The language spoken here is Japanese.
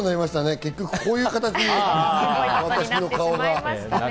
結局こういう形、私の顔が。